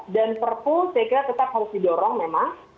dan perpu saya kira tetap harus didorong memang